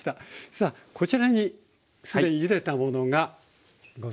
さあこちらに酢でゆでたものがございます。